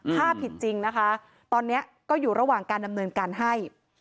ถ้าผิดจริงนะคะตอนนี้ก็อยู่ระหว่างการดำเนินการให้